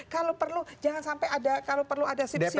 kalau perlu jangan sampai ada sip sipan